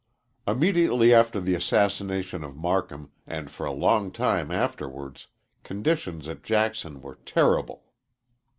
Immediately after the assassination of Marcum, and for a long time afterwards, conditions at Jackson were terrible.